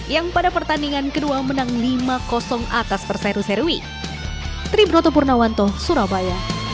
yang pada pertandingan kedua menang lima atas perseru serui